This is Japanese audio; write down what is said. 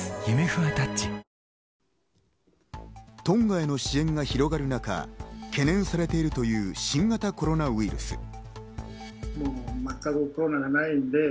トンガへの支援が広がる中、懸念されているという新型コロナウイルス。